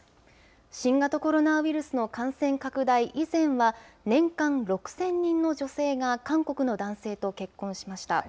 新型コロナウイルスの感染拡大以前は、年間６０００人の女性が韓国の男性と結婚しました。